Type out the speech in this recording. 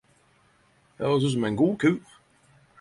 Hørest ut som ein god kur!